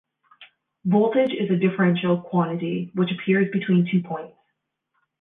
Voltage is a differential quantity, which appears between two points.